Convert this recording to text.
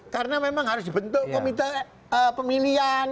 karena memang harus dibentuk komite pemilihan